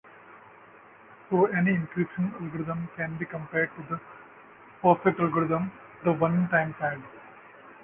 So any encryption algorithm can be compared to the perfect algorithm, the one-time pad.